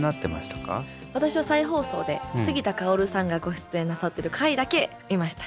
私は再放送で杉田かおるさんがご出演なさってる回だけ見ました。